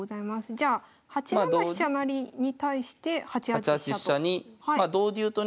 じゃあ８七飛車成に対して８八飛車と。